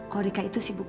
kalau rika itu sibuknya